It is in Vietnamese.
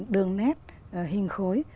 đường nét hình khối